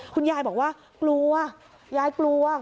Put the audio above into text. คุณยายบอกว่ากลัวยายกลัว